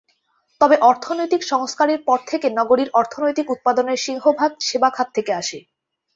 তবে অর্থনৈতিক সংস্কারের পর থেকে নগরীর অর্থনৈতিক উৎপাদনের সিংহভাগ সেবা খাত থেকে আসে।